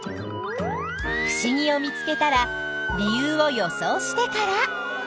ふしぎを見つけたら理由を予想してから。